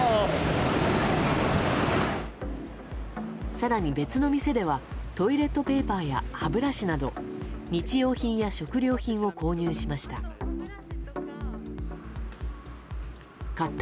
更に別の店ではトイレットペーパーや歯ブラシなど日用品や食料品を購入しました。